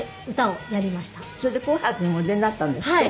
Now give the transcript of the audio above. それで『紅白』にもお出になったんですって？